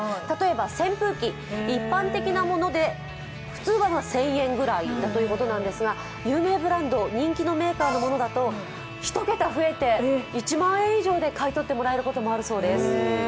例えば扇風機、一般的なもので普通は１０００円くらいだということなんですが、有名ブランド、人気のメーカーのものだと１桁増えて１万円以上で買い取ってもらえることもあるそうです。